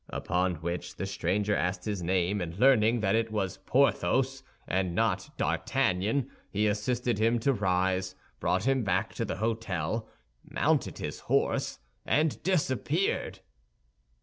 Upon which the stranger asked his name, and learning that it was Porthos, and not D'Artagnan, he assisted him to rise, brought him back to the hôtel, mounted his horse, and disappeared."